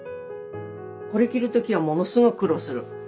これ着る時はものすごく苦労する。